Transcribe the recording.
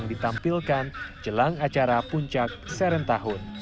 di daerah yang banyak emigra